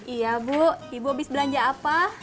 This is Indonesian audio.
iya bu ibu abis belanja apa